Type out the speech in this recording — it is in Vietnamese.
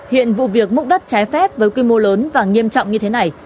hiện vụ việc múc đất trái phép với quy mô lớn và nghiêm trọng như thế này